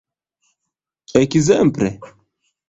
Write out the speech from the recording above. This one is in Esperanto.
Ekzemple?